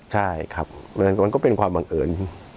ใช่ครับมันก็เป็นความบังเอิญ